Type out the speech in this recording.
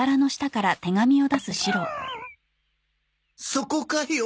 そこかよ。